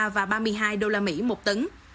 ba mươi ba và ba mươi hai đô la mỹ một tấn